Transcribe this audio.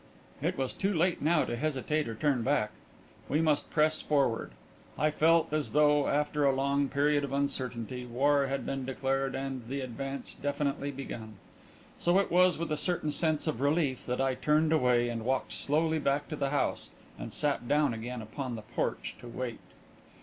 It was too late now to hesitate or turn back; we must press forward. I felt as though, after a long period of uncertainty, war had been declared and the advance definitely begun. So it was with a certain sense of relief that I turned away, walked slowly back to the house, and sat down again upon the porch to wait.